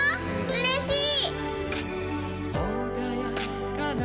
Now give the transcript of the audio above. うれしい！